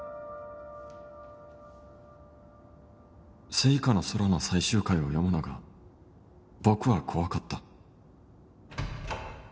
『ＳＥＩＫＡ の空』の最終回を読むのが僕は怖かった